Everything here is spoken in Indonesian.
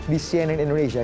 di cnn indonesia